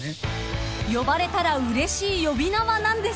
［呼ばれたらうれしい呼び名は何ですか？］